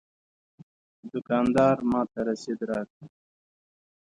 دوکاندار ماته رسید راکړ.